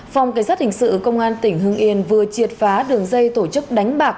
phòng cảnh sát hình sự công an tỉnh hưng yên vừa triệt phá đường dây tổ chức đánh bạc